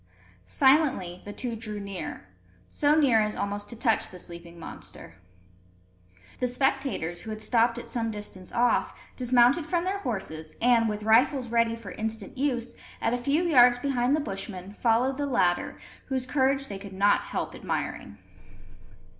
Silently the two drew near so near as almost to touch the sleeping monster. The spectators, who had stopped at some distance off, dismounted from their horses, and, with rifles ready for instant use, at a few yards behind the Bushmen, followed the latter, whose courage they could not help admiring.